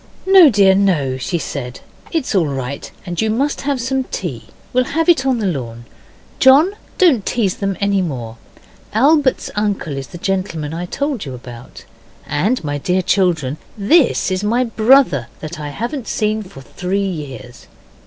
'No, dear, no,' she said, 'it's all right, and you must have some tea we'll have it on the lawn. John, don't tease them any more. Albert's uncle is the gentleman I told you about. And, my dear children, this is my brother that I haven't seen for three years.